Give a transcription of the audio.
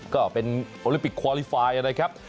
ก็เป็นโอลิมปิกคอลีไฟล์นะครับ